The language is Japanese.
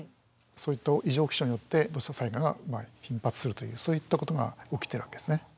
そういった異常気象によって土砂災害が頻発するというそういったことが起きてるわけですね。